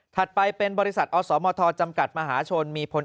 ถัดไปเป็นบริษัทอสสมธจมกัดมหาชนมีผลเอก